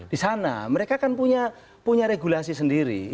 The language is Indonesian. di sana mereka kan punya regulasi sendiri